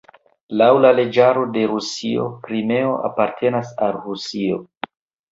Laŭ la leĝaro de Rusio Krimeo apartenas al Rusio.